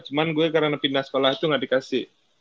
cuman gue karena pindah sekolah itu nggak dikasih